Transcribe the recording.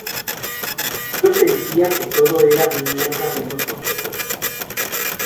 Yo sentía que todo era mierda menos nosotros".